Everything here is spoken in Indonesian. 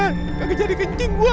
gak jadi kencing gua